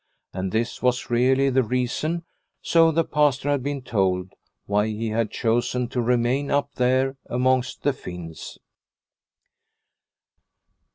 And this was really the reason, so the Pastor had been told, why he had chosen to remain up there amongst the Finns.